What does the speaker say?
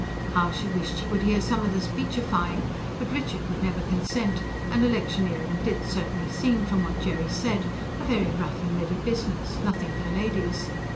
How she wished she could hear some of the speechifying! But Richard would never consent; and electioneering did certainly seem, from what Jerry said, a very rough and ready business nothing for ladies.